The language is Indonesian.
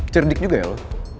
cerdik juga ya lo